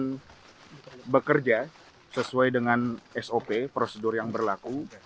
yang bekerja sesuai dengan sop prosedur yang berlaku